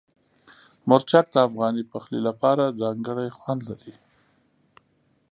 مرچک د افغاني پخلي لپاره ځانګړی خوند لري.